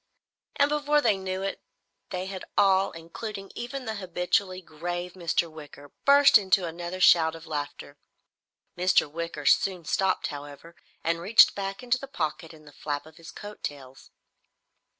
And before they knew it they had all, including even the habitually grave Mr. Wicker, burst into another shout of laughter. Mr. Wicker soon stopped, however, and reached back into the pocket in the flap of his coattails.